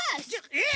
えっ！？